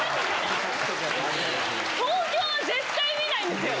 東京は絶対見ないんですよ。